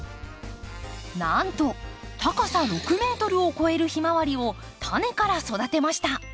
なんと高さ６ｍを超えるヒマワリをタネから育てました。